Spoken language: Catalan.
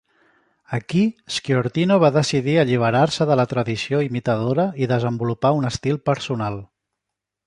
Aquí, Sciortino va decidir alliberar-se de la tradició imitadora i desenvolupar un estil personal.